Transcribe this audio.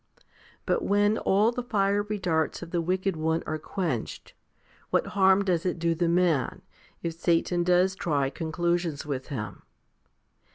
But when all the fiery darts of the wicked one are quenched, 1 what harm does it do the man, if Satan does try conclusions with him